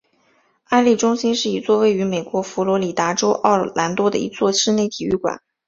安丽中心是一座位于美国佛罗里达州奥兰多的一座室内体育馆。